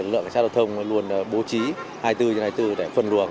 lực lượng cảnh sát giao thông luôn bố trí hai mươi bốn hai mươi bốn để phân luận